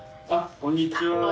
こんにちは。